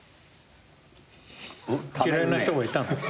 嫌いな人がいたの？